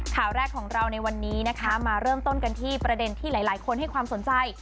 ข่าวแรกของเราในวันนี้นะคะมาเริ่มต้นกันที่ประเด็นที่หลายคนให้ความสนใจ